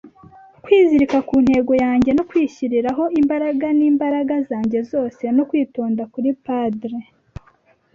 kwizirika ku ntego yanjye no kwishyiriraho imbaraga, n'imbaraga zanjye zose no kwitonda, kuri paddle